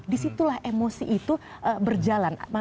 disitulah emosi itu berjalan